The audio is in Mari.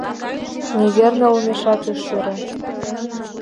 Неверна олмешат ыш йӧрӧ.